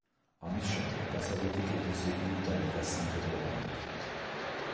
ამის შემდეგ, დასავლეთი კედლის ირგვლივ დაიდგა სამხედრო ბანაკი.